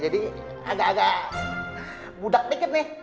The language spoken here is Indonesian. jadi agak agak budak dikit nih